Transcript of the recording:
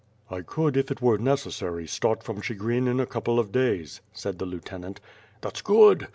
'' "I could, if it were necessary, start from Chigrin in a couple of days," said the lieutenant. "That's good.